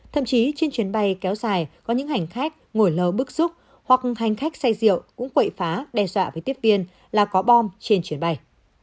thậm chí trên chuyến bay kéo dài có những hành khách ngồi lơ bức xúc hoặc hành khách say rượu cũng quậy phá đe dọa với tiếp viên là có bom trên chuyến bay